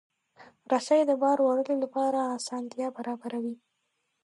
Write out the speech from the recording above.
رسۍ د بار وړلو لپاره اسانتیا برابروي.